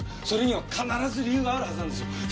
それには必ず理由があるはずなんですよ。